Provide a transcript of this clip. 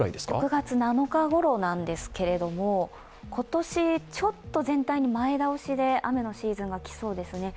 ６月７日ごろなんですけど今年ちょっと全体前倒しで雨のシーズンが来そうですね。